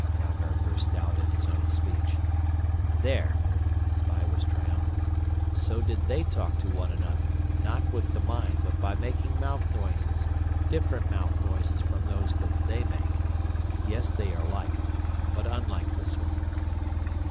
Dalgard burst out in his own speech. "There!" The spy was triumphant. "So did they talk to one another, not with the mind but by making mouth noises, different mouth noises from those that they make. Yes, they are like but unlike this one."